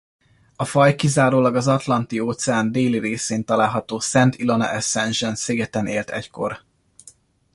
A faj kizárólag az Atlanti-óceán déli részén található Szent Ilona Ascension-szigeten élt egykor.